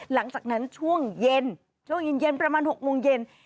หลังจากนั้นช่วงเย็นช่วงเย็นประมาณ๖โมงเย็น